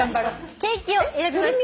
「ケーキ」を選びました